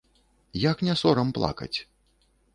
Як не сорам плакаць?